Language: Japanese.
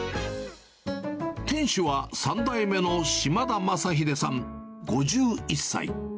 店主は３代目の嶋田将英さん５１歳。